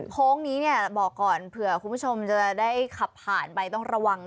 โค้งนี้เนี่ยบอกก่อนเผื่อคุณผู้ชมจะได้ขับผ่านไปต้องระวัง